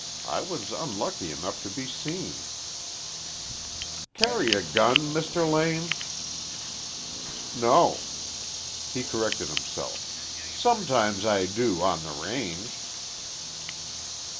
I was unlucky enough to be seen." "Carry a gun, Mr. Lane?" "No." He corrected himself. "Sometimes I do on the range."